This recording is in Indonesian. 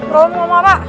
bro mau apa